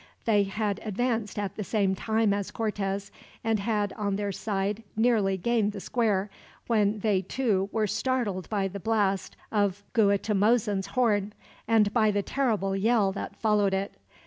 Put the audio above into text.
They had advanced at the same time as Cortez, and had on their side nearly gained the square; when they, too, were startled by the blast of Guatimozin's horn, and by the terrible yell that followed it.